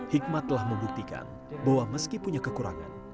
hikmat telah membuktikan bahwa meski punya kekurangan